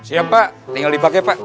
siap pak tinggal dipakai pak